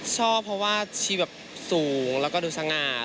ชอบเพราะว่าชีวิตสูงและก็ดุสังหาสนุก